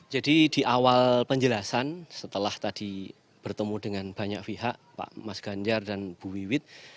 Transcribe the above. jadi di awal penjelasan setelah tadi bertemu dengan banyak pihak pak mas ganjar dan bu wiwid